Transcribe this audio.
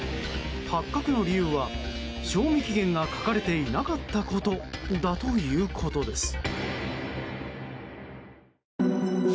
発覚の理由は、賞味期限が書かれていなかったことだということです。